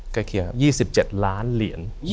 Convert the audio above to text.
๒๗คูณ๓๔เข้าไป